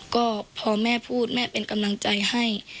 ก็พอแม่พูดแม่เป็นกำลังใจให้